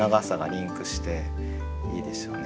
リンクしていいですよね。